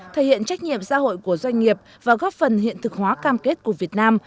thể hiện trách nhiệm xã hội của doanh nghiệp và góp phần hiện thực hóa cam kết của việt nam